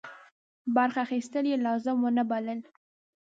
برخه اخیستل یې لازم ونه بلل.